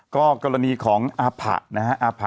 ก็กรณีของออผะนะครับ